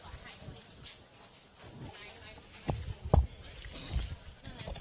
ไม่เป็นไรไม่เป็นไร